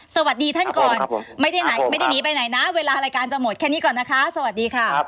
สวัสดีท่านก่อนไม่ได้หนีไปไหนนะเวลารายการจะหมดแค่นี้ก่อนนะคะสวัสดีค่ะ